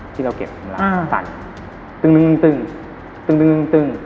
ที่เราเก็บเมื่อสรรค์